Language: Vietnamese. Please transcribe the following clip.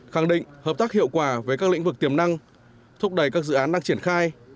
khẳng định hợp tác hiệu quả với các lĩnh vực tiềm năng thúc đẩy các dự án đang triển khai